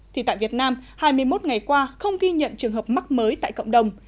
thì tại việt nam hai mươi một ngày qua không ghi nhận trường hợp mắc mới tại cộng đồng